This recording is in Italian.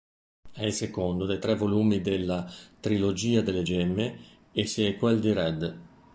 È il secondo dei tre volumi della "Trilogia delle gemme" e sequel di "Red".